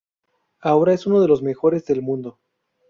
Ahora es uno de los mejores del mundo.